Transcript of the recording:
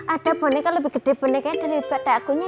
ada boneka lebih besar dari badakku ya